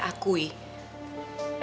aku ingin mengakui